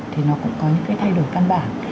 thì nó cũng có những cái thay đổi căn bản